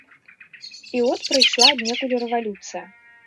І от прыйшла аднекуль рэвалюцыя.